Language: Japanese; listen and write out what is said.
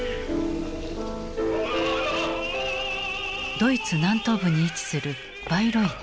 ドイツ南東部に位置するバイロイト。